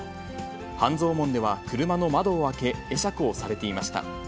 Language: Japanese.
半蔵門では車の窓を開け、会釈をされていました。